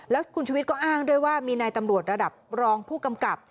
แล้วคุณชุวิตก็อ้างด้วยว่ามีนายตำรวจระดับรองผู้กำกับ